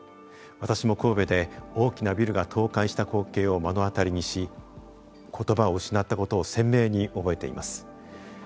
私も神戸で大きなビルが倒壊した光景を目の当たりにしことばを失ったことを鮮明に覚えています。